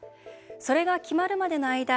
それが決まるまでの間